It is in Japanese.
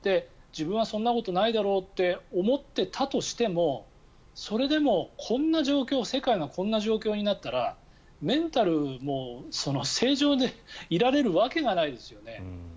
自分はそんなことないだろうって思っていたとしてもそれでも世界がこんな状況になったらメンタルも正常でいられるわけがないですよね。